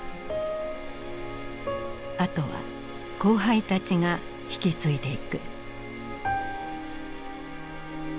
あとは後輩たちが引き継いでいく。